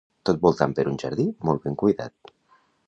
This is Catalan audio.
Tot voltat per un jardí molt ben cuidat.